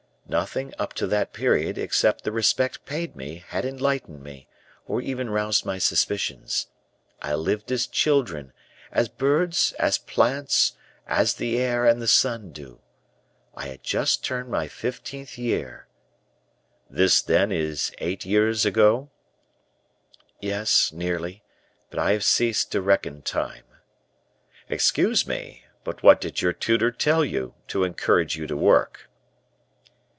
Nothing, up to that period, except the respect paid me, had enlightened me, or even roused my suspicions. I lived as children, as birds, as plants, as the air and the sun do. I had just turned my fifteenth year " "This, then, is eight years ago?" "Yes, nearly; but I have ceased to reckon time." "Excuse me; but what did your tutor tell you, to encourage you to work?"